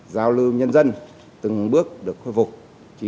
giao lưu nhân dân từng bước được khôi phục